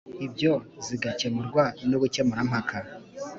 Ibyo zigakemurwa n ubukemurampaka